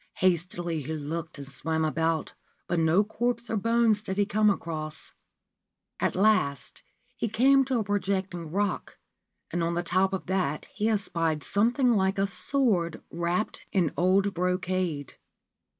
Hastily he looked, and swam about ; but no corpse or bones did he come across. At last he came to a projecting rock, and on the top of that he espied something like a sword wrapped in old brocade.